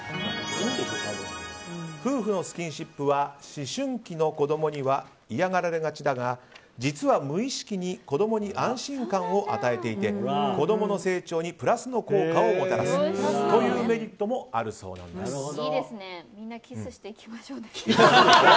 夫婦のスキンシップは思春期の子供には嫌がられがちだが、実は無意識に子供に安心感を与えていて子供の成長にプラスの効果をもたらすというメリットもあるそうなんです。